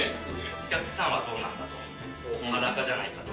お客さんはどうなんだと、裸じゃないかと。